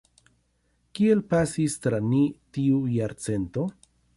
Kiel pasis tra ni tiu jarcento?